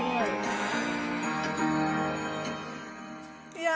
いや。